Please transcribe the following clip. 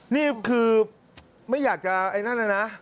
นี่คือไม่อยากจะไอ้นั่นน่ะนะ